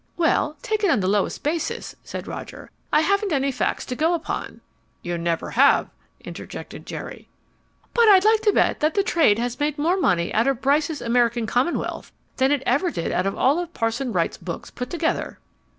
"Well, take it on the lowest basis," said Roger. "I haven't any facts to go upon " "You never have," interjected Jerry. "But I'd like to bet that the Trade has made more money out of Bryce's American Commonwealth than it ever did out of all Parson Wright's books put together."